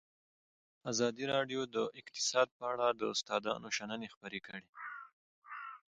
ازادي راډیو د اقتصاد په اړه د استادانو شننې خپرې کړي.